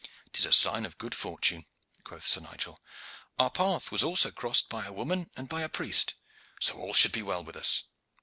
"'Tis a sign of good fortune," quoth Sir Nigel. "Our path was also crossed by a woman and by a priest, so all should be well with us.